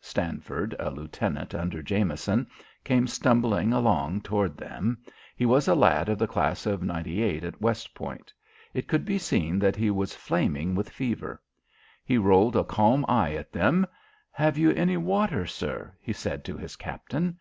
Stanford, a Lieutenant under Jameson, came stumbling along toward them. He was a lad of the class of '98 at West Point. It could be seen that he was flaming with fever. He rolled a calm eye at them. "Have you any water, sir?" he said to his Captain.